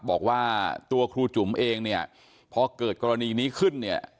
บอกว่าตัวครูจุ๋มเองเนี่ยพอเกิดกรณีนี้ขึ้นเนี่ย